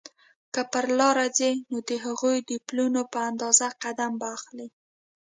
که پر لاره ځې نو د هغوی د پلونو په اندازه قدم به اخلې.